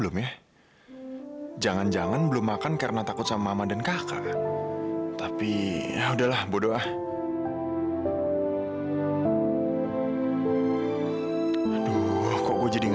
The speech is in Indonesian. masih belum berdaya kalau kamu sudah pergi vin